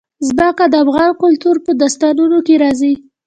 ځمکه د افغان کلتور په داستانونو کې راځي.